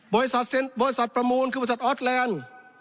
บริษัทบริษัทประมูลคือบริษัทออสแลนด์